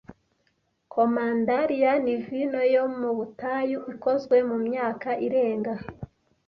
Commandariya ni vino yo mu butayu ikozwe mu myaka irenga